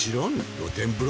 露天風呂。